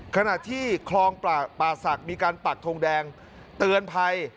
ขณะที่คลองป่าศักดิ์มีการปักทงแดงเตือนภัย